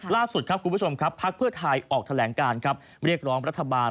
ล่าสุดครับคุณผู้ชมครับพักเพื่อไทยออกแถลงการครับเรียกร้องรัฐบาล